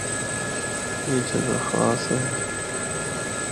اے جگہ خاص ہے۔